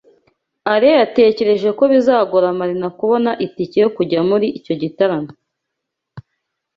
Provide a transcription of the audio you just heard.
Alain yatekereje ko bizagora Marina kubona itike yo kujya muri icyo gitaramo.